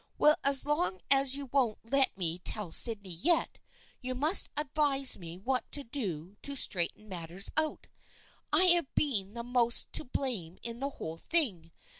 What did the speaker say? Well, as long as you won't let me tell Sydney yet, you must advise me what else to do to straighten matters out. I have been the most to blame in the whole thing.